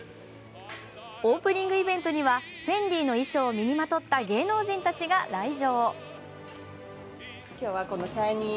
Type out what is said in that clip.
オープニングイベントにはＦＥＮＤＩの衣装を身にまとった芸能人たちが来場。